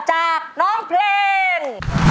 จากน้องเพลง